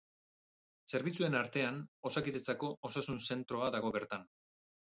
Zerbitzuen artean, Osakidetzako osasun zentroa dago bertan.